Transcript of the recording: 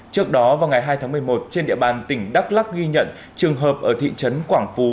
trước đó vào ngày hai tháng một mươi một trên địa bàn tỉnh đắk lắc ghi nhận trường hợp ở thị trấn quảng phú